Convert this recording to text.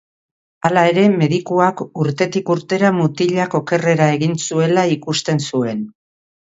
Hala ere, medikuak urtetik urtera mutilak okerrera egin zuela ikusten zuen.